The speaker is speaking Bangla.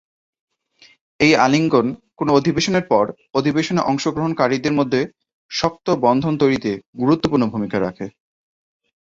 এই আলিঙ্গন কোনো অধিবেশনের পর; অধিবেশনে অংশগ্রহণকারীদের মধ্যে শক্ত বন্ধন তৈরীতে গুরুত্বপূর্ণ ভূমিকা রাখে।